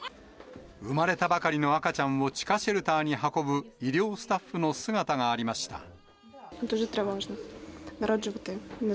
産まれたばかりの赤ちゃんを地下シェルターに運ぶ医療スタッフの姿がありました。